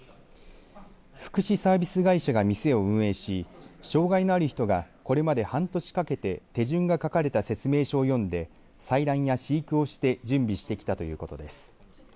福祉サービス会社が店を運営し障害のある人がこれまで半年かけて手順が書かれた説明書を読んで採卵や飼育をして準備してきたということです。